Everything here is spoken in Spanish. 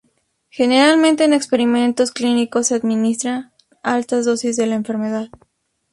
Generalmente, en experimentos clínicos, se administran altas dosis de la enfermedad.